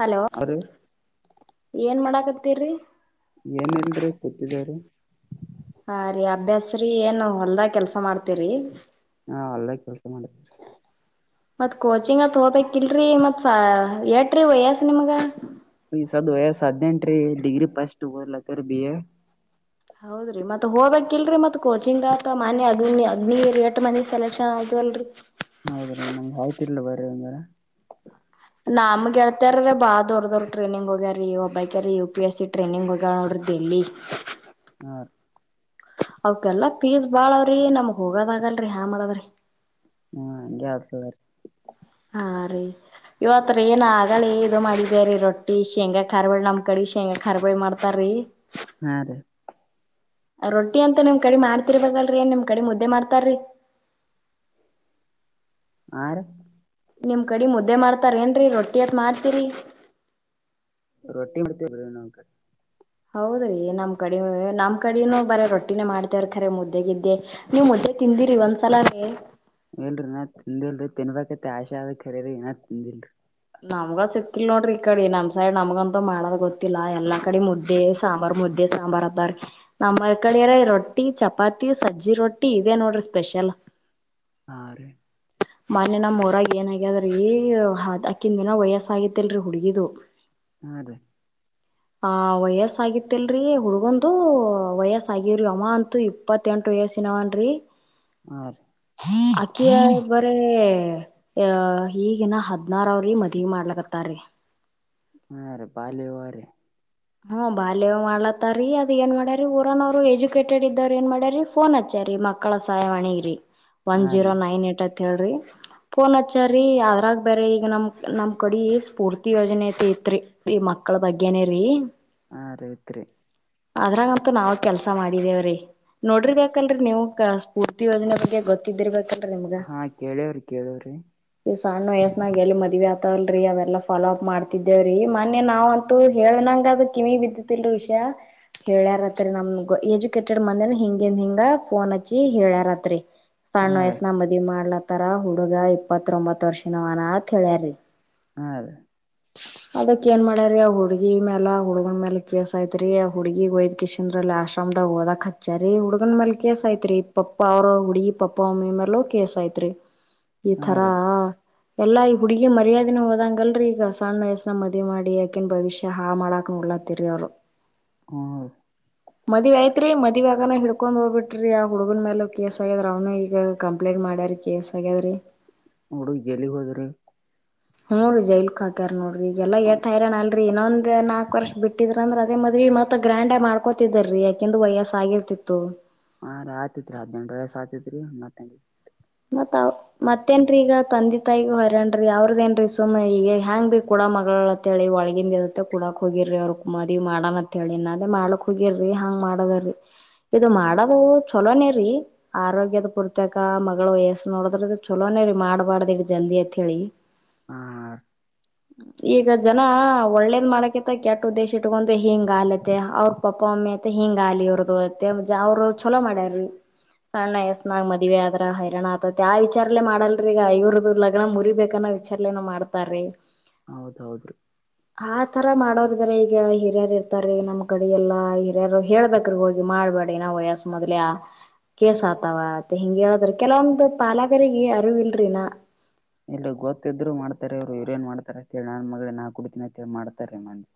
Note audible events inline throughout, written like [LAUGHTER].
Hello ಅವ್ರ [INAUDIBLE] ಏನ್ ಮಾಡಾಕತ್ತಿರಿ ಏನಲ್ರಿ ಕೂತಿದೀವಿರಿ ಹಾ ರೀ ಅಭ್ಯಾಸ್ರೀ ಏನ್ ಹೊಲ್ದ ಕೆಲ್ಸ ಮಾಡ್ತರಿ. ಹಾ ಹೊಲದಾಗ ಕೆಲ್ಸ ಮಾಡತಿವರಿ ಮತ್ ಕೋಚಿಂಗ್ ತಗೋ ಬೇಕ್ ಇಲ್ರಿ ಮತ್ ಎಟ್ರಿ ವಯಸ್ ನಿಮಗ. ಈಗ ಸಣ್ಣ ವಯಸ್ಸ ಹದನೆಂಟ ರಿ ಈಗ ಡಿಗ್ರಿ ಪಸ್ಟ ಓದಲಾಕತ್ತೀವಿ ಬಿ ಎ ಹೌದ್ರಿ ಮತ್ ಹೋಗ್ಬೇಕ ಇಲ್ರಿ ಮತ್ ಕೋಚಿಂಗ್ ಆತ ಮನೆ ಅಗ್ನಿ ಅಗ್ನಿ ಎಷ್ಟ ಮನಿ ಸೆಲೆಕ್ಷನ್ ಆಯವಲ್ರಿ. ಹೌದ ರೀ ನಮ್ಗೆ ಆಯ್ತಿರ್ಲ ಬರ್ರ ಹಂಗರ್ ನಮಗೆೇಳ್ತಾರ ಬಾ ದವರ್ದವರ್ ಟ್ರೈನಿಂಗ್ ಹೋಗ್ಯಾರಿ ಒಬ್ಬಕ್ಯಾರ U P S C training ಹೋಗ್ಯಾರ ನೋಡಿರಿ ಡೆಲ್ಲಿ ಹಾರಿ ಅವಕಲ್ಲಾ ಪೀಸ್ ಬಾಳವ್ರಿ ನಮಗ್ ಹೋಗೋದ ಆಗಲ್ರರಿ ಹಾ ಮಾಡದ್ರಿ. ಹಾ ಹಂಗೆ ಆಗತದ್ ರಿ ಹಾ ರೀ [INAUDIBLE] ಇವತ್ತ ರಿ ಏನ ಆಗಲಿ ಈಗ ಮಾಡಿ. ಅದೆ ರೊಟ್ಟಿ ಶೇಂಗಾ ಖಾರ್ಬಳಿ ನಮ್ ಕಡೆ ಶೇಂಗಾ ಖಾರ್ಬಳಿ ಮಾಡ್ತಾರೀ. ಹಾರಿ ರೊಟ್ಟಿ ಅಂತ ನಿಮ್ ಕಡೆ ಮಾಡ್ತಿರ್ಬೇಕಲ್ರೀ ನಿಮ್ ಕಡೆ ಮುದ್ದೆ ಮಾಡ್ತಾರೀ. ಹಾರಿ ನಿಮ್ ಕಡಿ ಮುದ್ದೆ ಮಾಡ್ತಾರ ಏನ್ರೀ ರೊಟ್ಟಿ ಅತ್ ಮಾಡ್ತೀರಿ ರೊಟ್ಟಿ ಮಾಡ್ತಿವಿ ರಿ ನಮ್ ಕಡಿ ಹೌದ್ರೀ ನಮ್ ಕಡೆ ನಮ್ ಕಡನೂ ಬರ ರೊಟ್ಟಿನೇ ಮಾಡ್ತೇವ್ರಖರ ಮುದ್ದೆಗಿದ್ದೆ. ನೀವ್ ಮದ್ದೆ ತಿಂದಿರಿ ಒಂದ್ಸಲ ಆರು ಇಲ್ರಿ ನಾ ತಿಂದಿಲ್ರಿ ತಿನ್ಬೇಕತ್ತ ಆಶೆ ಆಗ ಕರೆರಿ ಇನ್ ತಿಂದಿಲ್ರಿ ನಮ್ಗ ಸಿಕ್ಕಿಲ್ ನೋಡ್ರಿ ಈ ಕಡೆ ನಮ್ ಸೈಡ್ ನಮಗಂತೂ ಮಾಡದ ಗೊತ್ತಿಲ್ಲಾ ಎಲ್ಲಾ ಕಡೆ ಮುದ್ದೆ ಸಾಂಬಾರ್ ಮುದ್ದೆ ಸಾಂಬಾರ ಆಂತರಿ ನಮ್ಮ್ ಉರ್ ಕಡೆವ್ರ್ ರೊಟ್ಟಿ ಚಪಾತಿ ಸಜ್ಜಿ ರೊಟ್ಟಿ ಇದೆ ನೋಡ್ರಿ ಸ್ಪೆಷಲ್. ಹಾ ರಿ ಮೊನ್ನೇ ನಮ್ಮ ಊರಾಗ ಏನ ಆಗ್ಯದ್ರೀ್ ಅಕಿದಿನ್ನ ವಯಸ್ಸ ಆಗಿತಿಲ್ರಿ ಹುಡ್ಗಿದು ಹಾ ರೀ ಆ ವಯಸ್ಸ ಆಗಿತಿಲ್ರಿ ಹುಡ್ಗಂದು ವಯಸ್ ಆಗ್ರಿ ಅವ ಅಂತೂ ಇ ಇಪ್ಪತ್ತೆಂಟು ವಯಸ್ಸಿನವನ್ ರಿ ಹಾ ರೀ ಅಕ್ಕಿಯ ಬ ಅಂದ್ರೆ ಅ ಈಗಿನ ಹದ್ನಾರ ಅವ್ರಿ ಮದವಿ ಮಾಡ್ಲಕತ್ತಾರಿೀ ಹಾ ರಿ ಬಾಲ್ಯ ವಿವಾಹ ರಿ ಹ್ಮ್ ಬಾಲ್ಯ ವಿವಾಹ ಮಾಡ್ಲತ್ತಾರಿೀ ಅದ ಏನ್ ಮಾಡ್ಯಾರಿ ಊರನೋರು ಎಜುಕೇಟೆಡ್ ಇದ್ದಾರ ಏನ್ ಮಾಡ್ಯಾರಿ ಫೋನ್ ಹಚ್ಚಾರಿ ಮಕ್ಕಳ ಸಹಾಯವಣಿಗ್ರಿ ಒನ್ ಹಾ ಜೀರೋ ರೀ ನೈನ್ ಏಟ್ ಅತ್ ಹೇಳ್ರಿ ಫೋನ್ ಹಚ್ಚಾರೀ ಅದ್ರಾಗ ಬೇರೆ ಈಗ ನಮ್ ನಮ್ ಕಡಿ ಸ್ಫೂರ್ತಿ ಯೋಜನೆ ಐತಿ ಇತ್ರಿ ಈ ಮಕ್ಕಳ ಬಗ್ಗೆನೇ ರೀ ಹಾಂ ರಿ ಇತ್ರಿ ಅದ್ರಂಗಂತೂ ನಾವು ಕೆಲ್ಸ ಮಾಡಿದೇವ್ರೀ ನೋಡರ್ಬೇಕಲ್ರಿ ನೀವು ಕ ಸ್ಫೂರ್ತಿ ಯೋಜನೆ ಬಗ್ಗೆ ಗೊತ್ತಿದ್ದಿರ್ಬೇಕಲ್ರಿೀ ನಿಮ್ಗ ಹೇಳ್ರಿ ಕೇಳೋನ್ರಿ ಇವ್ ಸಣ್ಣ ವಯಸ್ಸನಾಗ ಎಲ್ಲಿ ಮದ್ವಿ ಐತರ್ಲೀ ಅವೆಲ್ಲ ಫಾಲೋ ಅಪ್ ಮಾಡ್ತ ತಿದ್ದೇವ್ರೀ ಮೊನ್ನೆ ನಾವ್ ಅಂತೂ ಹೇಳನಂಗ ಅದ ಕಿವಿ ಬಿದ್ದತಿಲ್ ರಿ ವಿಷ್ಯ ಹೇಳ್ಯಾರತ್ರಿ ನಮಗ ಎಜುಕೇಟೆಡ್ ಮಂದಿ ಹಿಂಗಂದ ಹಿಂಗ ಫೋನ್ ಹಚ್ಚಿ ಹೇಳ್ ರಾತ್ರಿ ಸಣ್ಣ ಹಾ ರೀ ವಯಸ್ಸನ ಮದ್ವಿ ಅಡಿ ಮಾಡ್ಲತ್ತಾರ ಹುಡುಗ ಇಪ್ಪತೊಂಬತ್ ವರ್ಷ ನವನ ಅಂತ್ ಹೇಳ್ಯಾರಿ ಹಾ ರೀ ಅದಕ್ಕ ಏನ್ ಮಾಡ್ಯ್ರೀ ಅವ ಹುಡ್ಗಿ ಮ್ಯಾಲ ಹುಡ್ಗನ್ ಮ್ಯಾಲ ಕೇಸ ಆಯ್ತ್ ರಿ ಹುಡ್ಗಿಗೋಯ್ ಕಿಷನಲ್ಲಿ ಆಶ್ರಮದಾಗ ಓದಕ್ ಹಚ್ಚಾರಿ ಹುಡ್ಗನ್ ಮೆಲ್ ಕೇಸ್ ಆಯ್ತ್ ರಿ ಪಪ್ಪ ಅವ್ರ ಹುಡಿಗ ಪಪ್ಪ ಮಮ್ಮಿ ಮೆಲು ಕೇಸ ಆಯ್ತ್ ರಿ ಈ ಹಾ ತರಾ ರೀ ಎಲ್ಲಾ ಹುಡ್ಗಿ ಈಗ ಮರ್ಯಾದೆನೆ ಹೋದಂಗಲ್ರರಿ ಈಗ ಸಣ್ಣ ವಯಸ್ಸನಗ ಮದ್ವಿ ಮಾಡಿ ಅಕಿನ್ ಭವಿಷ್ಯ ಹಾಳ್ ಮಾಡಾಕ್ ನೊಡಲತ್ತಿರ್ ಅವ್ರು ಹ್ಮ್ ಮದ್ವೆ ಆಯ್ತ್ ರಿ ಮದ್ವೆ ಆಗವ್ನೆ ಹಿಡ್ಕೊಂಡ್ ಹೋಗ್ಬಿಟ್ರ ರಿ ಆ ಹುಡುಗನ್ ಮೇಲ ಕೇಸ್ ಆಗ್ಯದ್ರ ಅವನ ಈಗ ಕಂಪ್ಲೇಂಟ್ ಮಾಡ್ಯಾರಿ ಕೇಸ್ ಆಗ್ಯಾದ್ ರೀ ಹುಡುಗ್ ಜೈಲಿಗ್ ಹೋದ್ರಿ ಹ್ಮ್ ಜೈಲಿಗ್ ಹಾಕ್ಯಾರ ನೋಡ್ರಿ ಈಗೆಲ್ಲಾ ಎಲ್ಲ್ತತರಾ ಅಲ್ರಿ ಇನ್ನೊಂದು ನಾಲ್ಕ್ ವಷ್ ಬಿಟ್ಟಿದ್ರ ಅದೇ ಮದ್ವಿ ಮ ಮತ್ತ ಗ್ರ್ಯಾಂಡ್ ಆಗ ಮಾಡ್ಕೋತಿದಾರೀ ಅಕೆಂದು ವಯಸ್ ಆಗಿರ್ತಿತ್ತು ಹಾ ರೀ ಅಯ್ತಿತ್ ರೀ ಹಾಡನೆಂಟ್ ವಯಸ್ಸ ಆಾತಿತ್ರಿ ಹತ್ತ್ತೆ ಮತ್ತ ಮತ್ತೇನ್ರೀ ಈಗ ತಂದಿ ತಾಯಗ ಹೊರೇನ್ರೀ ಅವ್ರದೇನ್ ರೀ ಸುಮ್ಮನೆ ಈಗ ಹ್ಯಾಂಗ್ ಭ ಕೂಡ ಮಗಳ ಹೇಳಿ ಒಳಗಿನದದತ್ತ ಕೂಡಕ್ ಹೋಗಿರ್ರಿ ಅವ್ರ ಮದ್ವಿ ಮಾಡಣತ್ ಹೇಳಿ ಇನ್ನ ಅದೇ ಮಾಡ್ಲಾಕ್ ಹೋಗಿರಿ ಹಾಂಗ್ ಮಾಡದ್ರರಿ ಇದು ಮಾಡೋದು ಚಲೋನೇ ರೀ ಆರೋಗ್ಯದ ಪುರ್ತಕ ಮ ಮಗಳು ವಯಸ್ಸ ನೋಡ್ರ ಚಲೋನೇ ರೀ ಮಾಡ್ಬಾರ್ದಿ ಜಲ್ದಿ ಅತ್ ಹೇಳಿ ಹಾ ಈಗ ಜನ ಒಳ್ಳೇದ್ ಮಾಡಕೆ. ಮ ಕೆಟ್ ಉದ್ದೇಶ ಇಟ್ಕೊಂಡಂದು ಹಿಂಗ್ ಆಲತೆ ಅವ್ರ ಪಪ್ಪಾ ಒಮ್ಮಿ ಅತ್ತ ಹಿಂಗ್ ಆಲಿ ಇವರ್ದು. ಮತ್ತೆ ಜ ಅವ್ರು ಚಲೋ ಮಾಡ್ಯಾರ್ರೀ. ಸಣ್ಣ ಎಸ್ನಾಗ್ ಮದ್ವಿ ಆದ್ರ ಹೈರಾಣ ಆತೈತಿ ಆ ವಿಚಾರಲ್ಲೇ ಮಾಡಲ್ ಇವ್ರಿಗೆ ಐವು ರುಪಾಯ್ ಲಗಾಮು ಮುರಿಬೇಕನ್ನ ವಿಚಾರ್ಲೇನು ಮಾಡ್ತಾರೀ. ಹೌದೌದು. ಆ ತರ ಮಾಡೋರ್ಗೆಲ್ಲಾ ಈಗ ಹಿರಿಯರ್ ಇರ್ತಾರೆ ಈಗ ನಮ್ ಕಡಿಯಲ್ಲಾ. ಯಾರೋ ಹೇಳ್ಬೇಕ್ರಿ ಹೋಗಿ ಮಾಡ್ಬೇಡಿ ಏನ ವಯಸ್ ಮೊದ್ಲೇ ಕೇಸ್ ಆತವ. ತ್ ಹಿಂಗೆ ಹೇಳದ್ರಿ ಕೆಲವೊಂದು ಪಾಲಗ್ರಿಗೆ ಅರಿವ್ ಇಲ್ರಿ ನಾ ಎಲ್ ಗೊತ್ತಿದ್ರು ಮಾಡ್ತಾರೆ ಅವ್ರು ಇವ್ರು ಮಾಡ್ತಾರೆ ಅಂತ ಹೇಳಿ ನನ್ ಮಗಳ ನಾ ಕುಡ್ತೀನಿಂತ ಮಾಡ್ತಾರೆ ಮಂದಿ.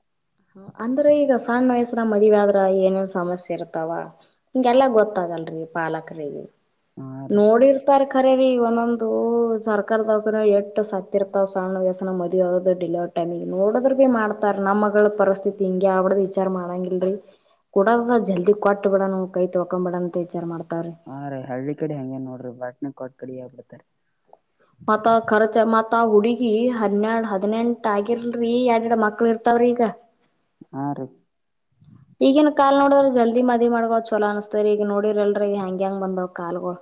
ಅಂದ್ರೆ ಈಗ ಸಣ್ಣ ವಯಸ್ನಾಗ್ ಮದ್ವೆ ಆದ್ರ ಏನೇನ್ ಸಮಸ್ಯೆ ಇರ್ತಾವ. ಹಿಂಗೆಲ್ಲ ಗೊತ್ತಾಗಲ್ರೀ ಪಾಲಕ್ರಿಗೆ ಹಾ ರೀ ನೋಡಿರ್ ತಾರ್ ಕರೆರಿ ಒಂದೊಂದು ಸರ್ಕಾರದ ಎಟ್ ಸತ್ ಇರ್ತಾವ್ ಸಣ್ಣ ವ್ಯಸನಾಗ್ ಮದುವಿ ಡಿಲ್ ಟೈಮಿಗ್ ನೋಡದ್ರ್ ಭೀ ಮಾಡ್ತಾರ ನಮ್ಮ ಮಗಳ ಪರಿಸ್ಥಿತಿ ಹಿಂಗೆ ಅವ್ಡ್ದ ವಿಚಾರ್ ಮಾಡಂಗಿಲ್ರಿ. ಕೂಡಲ್ ಜಲ್ದಿ ಕೊಟ್ಟ ಬಿಡಣ ಕೈ ತೊಕೋಂ ಬಿಡಣ್ ಅಂತ ವಿಚಾರ ಮಾಡ್ತಾವ್ರಿ. ಹಾ ರಿ ಹಳ್ಳಿ ಕಡೆ ಹಂಗೆ ನೋಡ್ರಿ ಬಾಟ್ನ ಕೊಟ್ ಕಡೆ ಯಾಗ್ ಬಿಡ್ತರಿ. ಮತ್ತ ಆ ಖರ್ಚ ಮತ್ ಆ ಹುಡುಗಿ ಹನ್ನೆರ್ಡ್ ಹದಿನೆಂಟ ಆಗಿರ್ಲ್ರಿ ಎಡ್ ಎಡ್ ಮಕ್ಳ ಇರ್ತ ತವ್ರಿಗ. ಹಾ ರೀ ಈಗಿನ್ ಕಾಲ್ ನೋಡಿದ್ರ ಜಲ್ದಿ ಮದಿ ಮಾಡ್ಕ ಚಲೋ ಅನಸ್ತರಿ ಈಗ ನೋಡಿರ್ಲ್ರರಿ ಈ ಹೆಂಗ್ ಹೆಂಗ್ ಬಂದಾವ್. ಕಾಲ್ ಗುಳ್.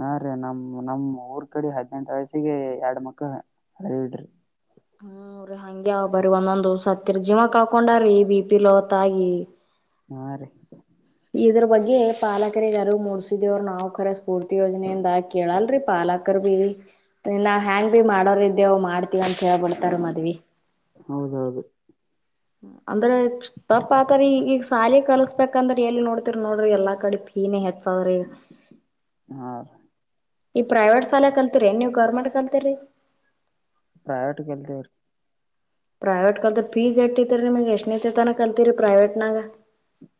ಹಾ ರೀ ನಮ್ ನಮ್ ಊರ್ ಕಡೆ ಹದ್ನೆಂಟ್ ವಯಸ್ಸಿಗೆ ಎರಡ್ ಮಕ್ಳು ಇಡ್ರಿ. ಹು ರಿ ಹಂಗೆ ಬರಿ ಒಂದೊಂದ ದಿವ್ಸ ಹತ್ತರಿ ಜೀವ ಕಳ್ಕೊಂಡಾರಿ ಬಿ ಪಿ ಲೋ ಆಗಿ. ಹಾ ರೀ. ಇದ್ರ ಬಗ್ಗೆ ಪಾಲಕರಿಗೆ ಅರಿವು ಮೂಡ್ಸಿದಿವ್ರಿ ನಾವ್ ಕರೆಸ್ ಪೂರ್ತಿ ಯೋಜನೆಯಿಂದ ಕೇಳಲ್ರಿ ಪಾಲಾಕರ್ ಭೀ. ಇನ್ನ ಹೆಂಗ್ ಬಿ ಮಾಡೋರ್ ಇದೇವ್ ಮಾಡ್ತೀವ್ ಅಂತ ಹೇಳ್ಬಿಡ್ತರ್ ಮದ್ವಿ. ಹೌದೌದು. ಅಂದ್ರೆ ಚ್ ತಪ್ಪಾತರಿ ಈಗ್ ಈಗ್ ಸಾಲಿ ಕಲ್ಸ್ಬೇಕಂದ್ರ ಎಲ್ಲಿ ನೋಡ್ತಿರಿ ನೋಡ್ರಿ ಎಲ್ಲಾ ಕಡೆ ಫೀನೆ ಹೆಚ್ಚಗ್ತದ್ರಿ. ಹಾ ಈ ಪ್ರೈವೇಟ್ ಶಾಲೆ ಕಲ್ತೀರಿ ನೀವ್ ಗೌರ್ಮೆಂಟ್ ಕಲ್ತಿರಿ. ಪ್ರೈವೇಟ್ಗೆಲ್ತವ್ರಿ. ಪ್ರೈವೇಟ್ ಕಲ್ತ ಫೀಸ್ ಯೆಟ್ತಿರ್ರಿ ನಿಮ್ಗೆ ಎಷ್ಟನ ತನ ಕಲ್ತೀರಿ ಪ್ರೈವೇಟ್ನಾಗ.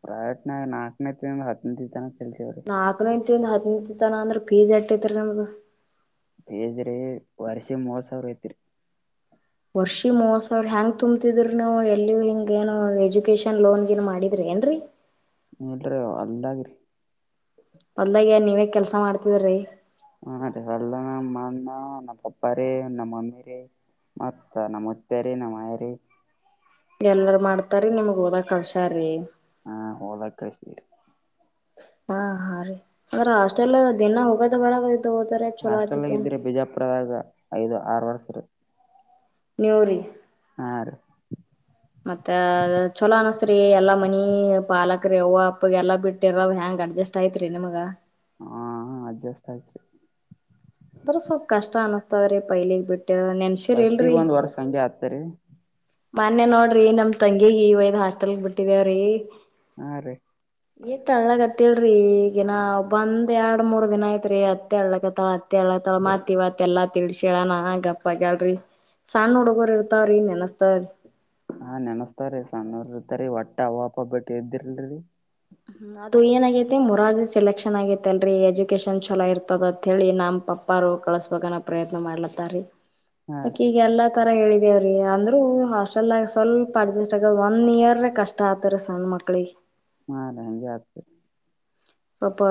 ಪ್ರೈವೆಟ್ನಾಗ್ ನಾಕ್ ತಿಂಗ್ಳ್ ಹತ್ತನೆ ತಿಂತಿವ್ರಿ. [UNINTELLIGIBLE] ಅಂದ್ರೆ ಪೀಜ ಅಟ್ಟತ್ರಿ ನಿಮ್ದು. ಪಿಜ್ರಿ ವರ್ಷ ಮೂವತ್ ಸಾವ್ರ ಐತ್ರಿ. ವರ್ಷಿ ಮೂವತ್ ಸಾವಿರ ಹೆಂಗ್ ತುಂಬ್ತಿದ್ರ ನಾವು ಎಲ್ಲಿಯೂ ಹಿಂಗ ಏನು ಎಜುಕೇಶನ್ ಲೋನ್ ಗಿನ್ ಮಾಡಿದ್ರೆ ಏನ್ರೀ. ಹುಂ ತಿವ್ರ್ ಅಲ್ದಾಗ್ರಿ. ಹೊಲ್ದಾಗ್ ಏನ್ ನೀವೇ ಕೆಲ್ಸಾ ಮಾಡ್ತಿದ್ರೀ. ಹ ಎಲ್ಲ ನಮ್ ಅಣ್ಣ ನಮ್ ಪಪ್ಪಾರೀ ನಮ್ ಮಮ್ಮಿರಿ. ಮತ್ ನಮ್ಮ ಮುುತ್ತರಿ ನಮ್ಮ್ಯರಿ. ಎಲ್ಲರ್ ಮಾಡ್ತಾರಿ ನಿಮಿಗ್ ಓದಕ್ ಕಳ್ಸ್ಯಾರಿ. ಹಾ ಹೋದಾಗ ಕಳ್ತೀರಿ. ಹಾ ಹಾ ರೀ ಅಂದ್ರ ಹಾಸ್ಟೆಲ್ ದಿನ ಹೋಗೋದ ಬರದು. ಹಾಸ್ಟೆಲ್ನಾಗ್ ಇದ್ರೆ ಬಿಜಪುರ್ದಾಗ ಐದು ಆರ್ ವರ್ಸರಿ. ನಿವರೀ ಮತ್ತ ಚಲೋ ಅನಸ್ತ್ ಎಲ್ಲಾ ಮನಿ ಪಾಲಕರಿ ಯ್ ಅಪ್ಪ ಎಲ್ಲಾ ಬಿಟ್ಟಿರ ಹೆಯಾಂಗ್ ಅಡ್ಜಸ್ಟ್ ಅಷ್ಟ ಆಐತ್ರಿ ನಿಮ್ಗ ಹ ಅಡ್ಜಸ್ಟ್ ಆಯತರಿ ಅ್ರ ಸ್ವಲ್ಪ್ ಕಷ್ಟ ಅನಸ್ತದ್ರಿ ಪೈಲಗ್ ಬಿಟ್ಟ ನೆನ್ಸಿರ್ ಇಲ್ರಿ ಸರಿ ಮೊನ್ನೆ ನೋಡ್ರಿ ನಮ್ ತಂಗಿಗ್ ಈ ವಯದ್ ಹಾಸ್ಟೆಲ್ ಬಿಟ್ಟಿದೇವ್ರಿ ಹಾ ರೀ ಹ್ಮ ಇಟ್ ಅಳ್ಳಗತ್ತಳರಿ ಈಗಿನ ಬಂದ್ ಎರಡು ಮೂರು ದಿನ ಐತ್ರಿ ಅತ್ತೆ ಅಳ್ಳಕತ್ತಳ ತಳ ಮತ್ತ ಎಲ್ಲಾ ತಿಳಿಸೀಹೇಳ ನ ಗಪ್ಪ ಆಗ್ಯಾಳರಿ ಸಣ್ಣ ಹುಡುಗೋರು ಇರ್ತಾವ್ರೀ ನೆನಸ್ತಾವ ಹಾ ನೆನಸ್ತಾವ್ರೀ ಸಣ್ಣೂರ್ ಇರ್ತರಿ ಒಟ್ಟೆ ಅವ್ವ ಅಪ್ಪ ಬಿಟ್ಟ ಇದ್ದಿರಲ್ರಿ ಹ್ಮ್ ಅದ ಅದು ಏನಾಗೈತೆ ಮುರಾರ್ಜಿ ಸೆಲೆಕ್ಷನ್ ಆಗೈತೆ ಅಲ್ರಿ ಎಜುಕೇಶನ್ ಛಲೋ ಇರ್ತದ ಅಂತತ್ ಹೇಳಿ ನಮ್ಮ ಪಪ್ಪಾ ಪಾರು ಕಳಸ್ಬೇಕನ್ನ ಪ್ರಯತ್ನ ಮಾಡ್ಲತ್ತಾರಿ ಹಾ ಅಕಿ ರೀ ಈಗ ಎಲ್ಲಾ ತರ ಹೇಳಿದ್ ಬೇ ಅಂದ್ರು ಹಾಸ್ಟೆಲ್ಗ ಸ್ವಲ್ಪ ಅಡ್ಜಸ್ಟ್ ಆಗ ಒನ್ ಇಯರ್ ಕಷ್ಟ ಆಗ್ತಾರ ಸಣ್ಣ ಮಕ್ಳಿಗೆ ಅದೇ ಹಂಗೆ ಆಗ್ತದ ಸ್ವಪ್ಪ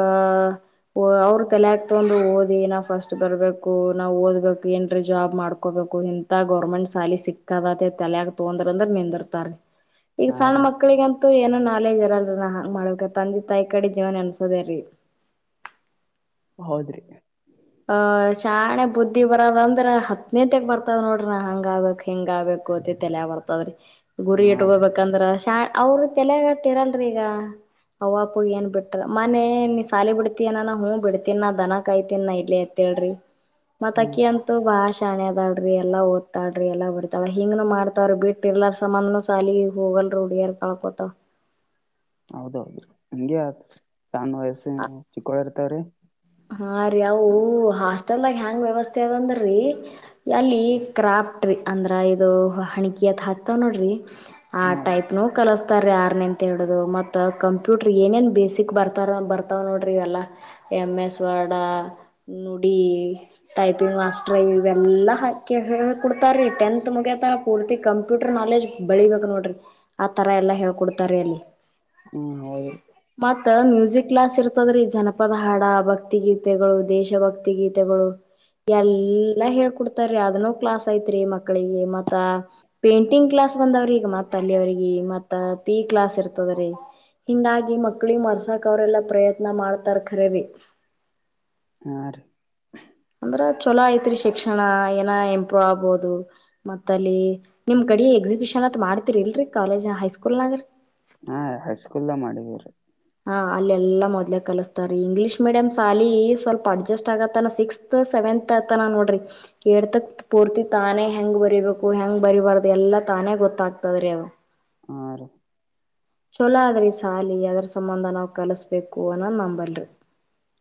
ಅವ್ರು ತೆಲೆಗ ತಗ್ತೊಂಡು ಓದಿ ನಾವು ಫಸ್ಟ್ ಬರ್ಬೇಕು ನಾವು ಓದ್ಬೇಕು ಏನ್ರೇ ಜಾಬ್ ಮಾಡ್ಕೋಬೇಕು ಗೌರ್ಮೆಂಟ್ ಸಾಲಿ ಸಿಕ್ಕದ ತೇಲಿಯಾಗ ತೊಂದ್ರ ಅಂದ್ರ ನಿಂದಿರ್ತಾರಿ ಈಗ ಹಾ ಸಣ್ಣ ರೀ ಮಕ್ಕಳಗಂತೂ ಏನೋ ನಾಲೆಜ್ ಇರಲ್ರರಿ ನಾ ಹಂಗ್ ಮಾಡಬೇಕ ತಂದಿ ತಾಯಿ ಕಡೆ ಜೀವಾ ನೆನ್ಸೋದ ರೀ ಹೌದ್ರಿ ಹ ಶಾಣೆ ಬುದ್ಧಿ ಬರೋದ ಅಂದ್ರೆ ಹತ್ತನೇತೆಕ ಬರ್ತದ ನೋಡ್ರ ನಾ ಹಂಗ ಆಬೇಕು ಹಿಂಗ ಆಗ್ಬೇಕು ಅದ ತಲೆಯಗ ಬರ್ತ [UNINTELLIGIBLE] ಗುರಿ ಹಾ ರೀ ಇಟ್ಕೋಬೇಕಂದ್ರ ಶಾ ಅವ್ರ ತಲೆಗಟ್ಟಿರಲ್ರಿ ಈಗ ಅವ್ಪ ಅಪ್ಪ ಏನ್ ಬಿಟ್ಟ ಮೋನೆೇ ನೀ ಸಾಲಿ ಬಿಡ್ತನಾನ ಹೂ ಬಿಡ್ತನ್ ನ ದನಾ ಕಾಯ್ತೀನ್ ಇಡ್ಲಿ ಅತಳ್ರಿ ಹ್ಮ್ ಮತಕ್ಕೆ ಅನು ಭಾಳ ಷ್ಯಾಣೆ ಅದಾಳರೀ ಎಲ್ಲಾ ಓದುತ್ತಾಳರಿ ಎಲ್ಲಾ ಬರಿತಾಳರಿ ಹಿಂಗನು ಮಾಡ್ತಾವ್ರ ಬಿಟ್ಟಿರ್ಲಾರ ಸಂಬಂಧ ನೂ ಸಾಲಿಗಿ ಹೋಗಲ್ ಹುಡಿಗಿಯಾರ್ ಕಳ್ಕೊತ ಹೌದೌದು ರೀ ಹಿಂಗೆ ಆಗ್ತದ್ರಿ ಸಣ್ ವಯಸ್ಸ ನ ಚಿಕ್ಕೋ ಇರ್ತವ್ರೀ ಹಾ ರಿವು ಹಾಸ್ಟೆಲದಾಗ ಹೆಯಾಂಗ್ ವ್ಯವಸ್ಥೆ ದ್ರೀ ಅಲ್ಲಿ ಕ್ರಾಫ್ಟ್ ರೀ ಅಂದ್ರ ಸಾ ಇದು ಹೆಣಿಕಿ ಅತ್ ಹಾಕ್ತಾವ ನೋಡ್ರಿ ಆ ಹಾ ಟೈಪ್ ಕಲಿಸ್ತಾರೀ ಯಾರನೇ ತೆ ಹಿಡುದು ಮತ್ತು ಕಂಪೂಟರ್ ಏನೇನು ಬೇಸಿಕ್ ಬರ್ತಾರ ಬರ್ತ ತವ ನೋಡ್ರಿ ಇವೆಲ್ಲಾ ಎಮ್ ಎಸ್ ವರ್ಡ್ ನುಡಿ ಟೈಪಿಂಗ್ ಮಾಸ್ ಟ್ರೈವೆಲ್ಲ ಇವೇಲಾ ಕೆ ಕೊಡ್ತಾರೆ ರೀ ಟೆಂತ್ ಮುಗ್ಯತ ಪೂರ್ತಿ ಕಂಪ್ಯೂಟರ್ ನಾಲೆಜ್ ಬೆಳಿಬೇಕು ನೋಡ ರಿ ಆತರ ಎಲ್ಲಾ ಹೇಳ್ಕೊಡ್ತಾರೆ ಅಲ್ಲಿ ಹ್ಮ್ ಹೌದ್ರಿ ಮತ್ತ ಮ್ಯೂಸಿಕ್ ಕ್ಲಾಸ್ ಇರ್ ಂದ್ರೆ ಈ ಜನಪದ ಹಾಡ ಭಕ್ತಿ ಗೀತೆಗಳು ದೇಶಭಕ್ತಿ ಗೀತೆಗಳು ಎಲ್ಲಾ ಎಲ್ಲಾ ಹೇಳ್ಕೊಡ್ತಾರೀ ಅದನೋ ಕ್ಲಾಸ್ ಐತ್ರಿ ಮಕ್ಳಿಗೆ ಮತ್ತ ಪೇಂಟಿಂಗ್ ಕ್ಲಾಸ್ ಬಂದವ್ರಿಗ ಮತ್ತ ಅಲ್ಲಿ ಅವ್ರಿಗೆ ಮತ್ತ ಪಿ ಕ್ಲಾಸ್ ಇರ್ತದ ರಿ ಹಿಂದಾಗಿ ಮಕ್ಳಿ ಮರ್ಸಾಕ್ ಅವ್ರೆಲ್ಲಾ ಪ್ರಯತ್ನ ಮಾಡ್ತಾರ್ ಖರರಿ ಹಾ ರಿ ಅಂದ್ರೆ ಚಲೋ ಐತ್ರಿ ಶಿಕ್ಷಣ ಏನೊ ಇಂಪ್ರೂವ್ ಆಗ್ಬೋದು. ಮತ್ತ ಅಲ್ಲಿ ನಿಮ್ ಕಡಿ ಎಕ್ಸಿಬಿಷನ್ ಅತ್ ಮಾಡ್ತಿರಿ ಇಲ್ರೀ ಕಾಲೇಜ್ ಹೈಸ್ಕೂಲ್ ನಾಗ ಹಾ ಹೈಸ್ಕೂಲ್ ಮಾಡಿವರೀ ಹಾ ಅಲ್ಲೆಲ್ಲಾ ಮೊದಲೆ ಕಲಸ್ತಾರ್ ರೀ ಇಂಗ್ಲೀಷ್ ಮೀಡಿಯಮ್ ಸಾಲಿ ಸ್ವಲ್ಪ ಅಡ್ಜಸ್ಟ್ ಆಗತ್ತಾನ ಸಿಕ್ಸ್ತ್ ಸೆವೆಂತ್ ಆಗತಾನ ನೋಡ್ರಿ ಏಡ್ತಕ್ ಪೂರ್ತಿ ತಾನೇ ಹೆಂಗ್ ಬರೀಬೇಕು ಹೆಂಗ್ ಬರಿಬಾರ್ದು ಎಲ್ಲಾ ತಾನೇ ಗೊತ್ತಾಗತವ್ ರೀ ಅವು ಹ ರೀ ಚಲೋ ಆದ್ರಿ ಸಾಲಿ ಅದ್ರ್ ಸಂಬಂಧ ನಾವ್ ಕಲಸ್ಬೇಕು ಅನ್ನೋದ್ ನಂಬಲ್ರೀ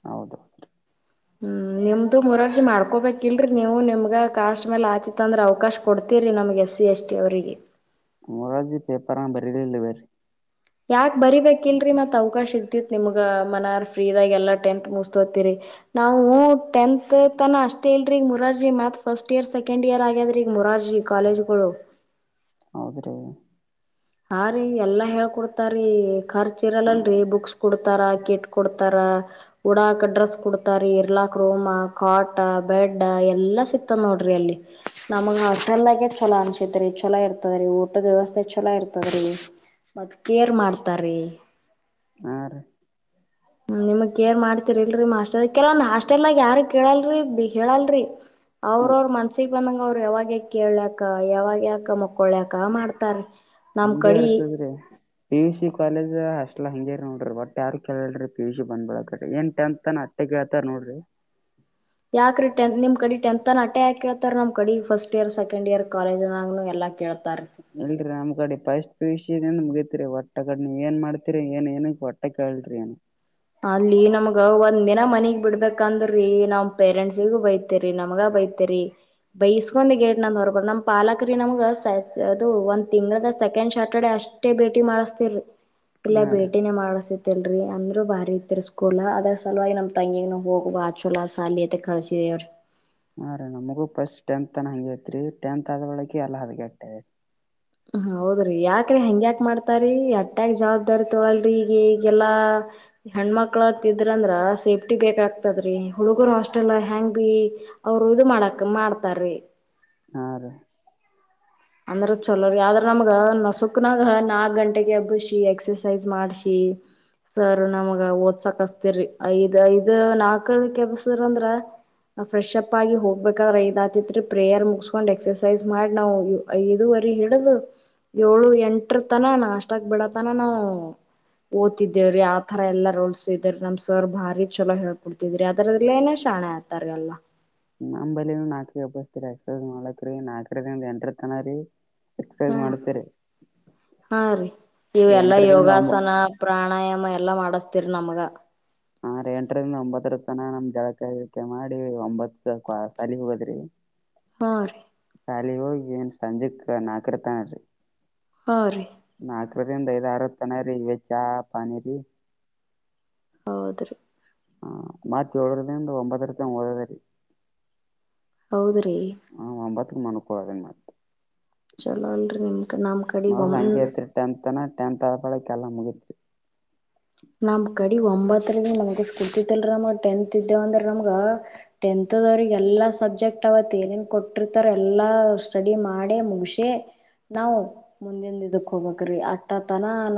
ಹೌದು [UNINTELLIGIBLE] ಹ್ಮ್ ನಿಮ್ದು ಮುರಾರ್ಜಿ ಮಾಡ್ಕೋಬೇಕಿಲ್ರೀ ನೀವು ನಿಮ್ಗ ಕಾಸ್ಟ್ ಮೇಲೆ ಆತಿತ್ತ್ ಅಂದ್ರೆ ಅವಕಾಶ್ ಕೊಡ್ತೀವಿ ರೀ ನಮಗೆ ಎಸ್ ಸಿ ಎಸ್ ಟಿ ಅವರಿಗೆ ಮೊರಾರ್ಜಿ ಪೇಪರಾ ಬರಿಲಿಲ್ ಇಲ್ಲವರ್ ರೀ ಯಾಕ್ ಬರಿಬೇಕ್ ಇಲ್ರರಿ ಮತ್ ಅವಕಾಶ ಇರತ್ತಿತ್ ನಿಮಗ ಮನೆವ ಫ್ರೀ ಇದಾಗ ಎಲ್ಲಾ ಟೆಂತ್ ಮುಗ್ ತೊತರಿ ನಾವು ಟೆಂತ್ ಮ ತಾನ ಅಷ್ಟೇ ಇಲ್ರೀ ಮುರಾರ್ಜಿ ಮತ್ತೆ ಫಸ್ಟ್ ಇಯರ್ ಸೆಕೆಂಡ್ ಇಯರ್ ಆಗ್ಯದ್ರೀ ಮುರಾರ್ಜಿ ಕಾಲೇಜಗಳು. ಹೌದು ರೀ ಹಾ ರೀ ಎಲ್ಲಾ ಹೇಳ್ಕೊಡ್ತಾರೀ ಖರ್ಚು ಇರಲ್ಲ್ ರೀ ಬುಕ್ಸ್ ಕೊಡ್ತಾರ ಕಿಟ್ ಕೊಡ್ತಾರ. ಹೂಡಕ್ ಡ್ರೆಸ್ ಕೊಡ್ತಾರಿ ಇರ್ಲಾಕ್ ರೂಮಾ. ಕಾಟ ಬೆಡ್ಡ ಎಲ್ಲಾ ಸಿಕ್ತದ್ ನೋಡ್ರಿ ಅಲ್ಲಿ ನಮಗ್ ಹಟೆಲ್ ಲ ಚಲೋ ಅನ್ಸೈತ್ರಿ ಚಲೋ ಇರ್ತದ್ ರೀ ಊಟದ ವ್ಯವಸ್ಥೆ ಚಲೋ ಇರ್ತದೀ ಮತ್ ಕೇರ್ ಮಾಡ್ತ್ ತಾರೀ ಹಾ ರೀ ನಿಮಗ್ ಕೇರ್ ಮಾಡ್ತಿರ್ ಇಲ್ರೀ ಮಾಸ್ಟರ್ ಕೆಲವೊಂದ್ ಹಾಸ್ಟೆಲ್ ನಾಗ ಯಾರು ಕೇಳಲ್ರಿ ಹೇಳಲ್ರರಿ ಅವ್ರ ಅವ್ರ ಮನ್ಸಿಗೆ ಬಂದಂಗ ಅವ್ರು ಯಾವಾಗ್ ಕೇಳ್ಕ್ ಯಾವಾಗ ಯಾಕ ಮಕ್ಕೊಳ್ಕ ಮಾಡ್ತಾರ್ ರೀ ಹಂಗೆ ಇರ್ತದ್ ರೀ ಪಿ ಯು ಸಿ ಕಾಲೇಜ್ ಅಷ್ಟ್ ಹಂಗೇರಿ ನೋಡ್ರಿ ಬಟ್ ಯಾರು ಕೇಳ್ ರೀ ಪಿ ಯು ಸಿ ಬಂದ ಬೀಲಕ್ ಅಕ್ಕೆತಿ ಏನ ಟೆಂತನ ಟ್ಟ್ ಹತಾರ ನೋಡ್ರಿ ಯಾಕ್ರೀ ಟೆಂತ್ ನಿಮ್ ಕಡೆ ಟೆಂತ್ ಅಟ್ಟೆ ಯಾಕ್ ಕೇಳ್ತಾರ ನಮ್ ಕಡಿ ಫಸ್ಟ್ ಇಯರ್ ಸೆಕಂಡ್ ಇಯರ್ ಕಾಲೇಜ್ನ ನ್ಯಾಗು ಎಲ್ಲಾ ಕೇಳ್ತಾರೀ. ಇಲ್ರರಿ ನಮ್ ಕಡೆ ಪಸ್ಟ್ ಪಿ ಯು ಸಿ ನಿಂದ ಮುಗತಿರಿ ಒಟ್ಟ ನೀ ಏನ್ ಮಾಡ್ತೀರಿ ಏನ್ ಏನ ವಟ್ಟ್ ಯಾಕ್ಕೇಳ್ರಿ ಅನ್ ಅಲ್ಲಿ ನಮಗ ಒಂದ್ ದಿನ ಮನಿಗೆ ಬಿಡ್ಬೇಕಂದ್ರೀ ನಮ್ ಪೇರೆಂಟ್ಸಿಗು ಬಯ್ ತ್ತೀರಿ ನಮಗ ಬೈತರಿ ಬೈಸ್ಕೊಂಡ್ ಗೇಟ್ ನಂದು ಹೊರಬ್ ನಮ್ ಪಾಲಕ್ ರೀ ನಮಗ ಸ ಸ ಅದು ಒಂದು ತಿಂಗಳಗ ಸೆಕೆಂಡ್ ಸ್ಯಾಟರ್ಡೆೇ ಅಷ್ಟ್ ಷ್ಟೇ ಭೇಟಿ ಮಾಡಿಸತಿಲ್ರಿ ಇಲ್ಲಾ ಹಾ ರೀ ಭೇಟಿನೇ ಮಾಡಸ್ತಿತಿಲ್ರರಿ ಅಂದ್ರರು ಬಾರ್ ರ್ ಸ್ಕೂಲ ಅದರ ಸಲುವಾಗಿ ನಮ್ ತಂಗಿಗೆ ಹೋಗವಾ ಚಲೋ ಸಾಲಿ ಅತ್ತ ಕಳ್ಸಿದವ್ರ ರೀ. ಹಾ ರಿ ನಮ್ಗು ಫಸ್ಟ್ ಟೆಂತ್ ತನ ಹಂಗೆ ಐತ್ರಿ ಟೆಂತ್ ಆದ ಬಳಕ ಎಲ್ಲಾ ಹದಗೆಟ್ಟ್ ಹೌದ್ರಿ ಯಾಕ್ರೀ ಹೆಂಗ್ಯಾಕ್ ಮಾಡ್ತಾರೀ ಅಟ್ಟ್ಯಾಗ ಜವಾಬ್ದಾರಿ ತಗೋಲ್ರರಿ ಈಗ ಏ ಗೆಲ್ಲಾ ಹೆಣ್ಮಕ್ಳು ತಿದ್ರಂದ್ರ ಸೇಫ್ಟಿ ಬೇಕಾಗ್ತದ್ರೀ ಹುಡುಗರ್ ಹಾಸ್ಟೆಲ್ಗ ಹೆಂಗ್ ಬೀ ಅವರು ಇದು ಮಾಡಕ್ ಮಾಡ್ತಾರೀ. ಹಾ ರೀ ಅಂದ್ರೆ ಚಲೋ ರೀ ಆದ್ರ ನಮಗ ನಸುಕಣ್ಯಗ್ ನಾಲ್ಕ್ ಗಂಟ್ ಗೆ ಹಬ್ಬಿಸಿ ಎಕ್ಸಸೈಜ್ ಮಾಡ್ಸಿ ಸರ್ ನಮಗ ಓದ್ಸ ಕಸ್ತಿರಿ ಐದ್ ಐದು ನಾಲ್ಕು ಕ ಎಬ್ಬಿಸಿದಂದ್ರೆ. ಫ್ರೆಶ್ಪ್ ಆಗಿ ಹೋಗ್ಬೇಕಾದ್ರೆ ಐದಾತಿದ್ರೀ ಪ್ರೇಯರ್ ಮುಗಸ್ಕೊಂಡ್ ಎಕ್ಸರ್ಸೈಸ್ ಮಾಡಿ ನಾವ್ ಐದುವರಿ ಹಿಡ್ದೂ ಏಳು ಎಂಟ್ರ ತನ ನಾಷ್ಟ ಆಕ್ ಬಿಡತನ ನಾವು ಓದಿತಿದ್ದೇವ್ ರೀ ಅಪ್ ಆಥರ ಎಲ್ಲಾ ರೋಲ್ಸ್ ಇದ್ರ ನಮ್ ಸರ್ ಬಾರಿ ಚಲೋ ಹೇಳ್ಕೊಡ್ತಿದ್ರ ಅದ್ರನೇ ಎಲ್ಲಾ ಶಾಣೆ ಆಗ್ತಾರ ಎಲ್ಲಾ ನಮ್ಮಂಬಳ್ ನಾಕಸ್ತರಿ ಎಕ್ಸಸೈಸ್ ಮಾಡಲಕ್ ರೀ ನಾಲ್ಕ ಎಂಟ್ರ ತನ ರೀ ಎಕ್ಸಸೈಸ್ ಹ್ಮ್ ಮಾಡ್ತೇರಿ ಹಾ ರೀ ಇವೆಲ್ಲಾ ಎಂಟರಿಂದ ಒಂಬ ಯೋಗಾಸನ ಪ್ರಾಣಾಯಾಮ ಎಲ್ಲಾ ಮಾಡಸ್ತೀರ್ ನಮಗ ಹಾ ರೀ ಎಂಟರಿಂದ ಒಂಬತ್ತರತನ ನಮ್ ಜಳಕಾ ಗಿಳಾಕ ಮಾಡಿ ಒಂಬತ್ ಸಾಲಿ ಹೋಗದ್ ರೀ ಹಾ ರೀ ಸಾಲಿಗ್ ಹೋಗಿ ಏನ್ ಸಂಜಕ್ಕ್ ನಾಕರತ್ತಾನ ರೀ ಹಾ ರೀ ನಾಲ್ಕರಿಂದ ಐದು ಆರು ತಾನ ರೀ ವೆಚಾ ಪಾನಿ ರೀ ಹೌದ್ರೀ ಹ ಮತ್ತ್ ಏಳರಿಂದ ಒಂಬತ್ತರತನ ಓದೋದ್ ರೀ- ಹೌದ್ರೀ ಹಾ ಒಂಬತ್ತುಗೆ ಮಾಲ್ಕೋಳೋದ್ ಮತ್ತ್ ಚಲೋ ಅಲ್ರಿ ನಿಮ್ಮ್ ಕಡಿ ನಮ್ಮ್ ಕಡೆಗೆ ಒಂಬ್ ಟೆಂತನ ಟೆಂತಳಕ ಎಲ್ಲಾ ಮುಗಿತ್ ನಮ್ ಕಡಿ ಒಂಬತ್ತರಿಂದ ನಮಗೆ ಸ್ಕೂಲ್ ತಲ್ ನಮಗ ಟೆಂತ್ ಇದ್ದೇವ್ ಅಂದ್ರೆ ನಮಗ ಟೆಂತ್ದವ್ರರಿಗೆ ಎಲ್ಲಾ ಸಬ್ಜೆಕ್ಟ್ ಅವತ್ ಏನೇನು ಕೊಟ್ಟಿರ್ತಾರೆ ಎಲ್ಲಾ ಸ್ಟಡಿ ಮಾಡಿ ಮುಗಶೆ ನಾವು ಮುಂದಿನ ಇದಕ್ ಹೋಗಬೇಕ್ರೀ ಅಟ್ಟತನ